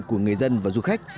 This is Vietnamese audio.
của người dân và du khách